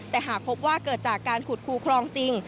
แต่หากพบว่าเกิดจากการขุดคูครองจริง